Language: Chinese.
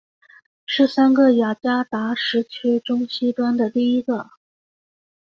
是三个雅加达时区中西端第一个。